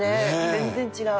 全然違う。